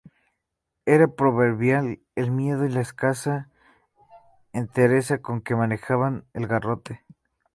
Era proverbial el miedo y la escasa entereza con que manejaba el garrote.